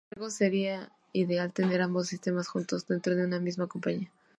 Sin embargo, sería ideal tener ambos sistemas juntos dentro de una misma compañía.